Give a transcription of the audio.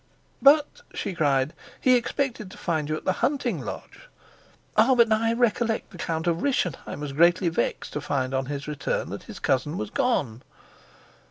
"But," she cried, "he expected to find you at the hunting lodge. Ah, but now I recollect! The Count of Rischenheim was greatly vexed to find, on his return, that his cousin was gone."